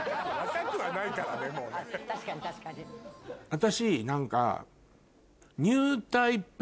私何か。